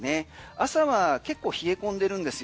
朝は結構冷え込んでるんですよ。